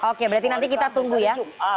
oke berarti nanti kita tunggu ya